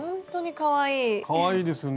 かわいいですね。